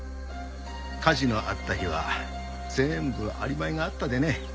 火事のあった日は全部アリバイがあったでね。